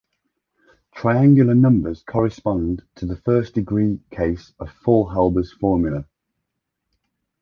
Triangular numbers correspond to the first-degree case of Faulhaber's formula.